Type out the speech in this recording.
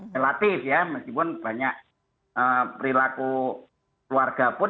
relatif ya meskipun banyak perilaku keluarga pun